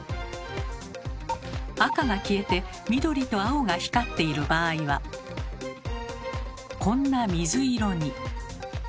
赤が消えて緑と青が光っている場合はこんな水色に。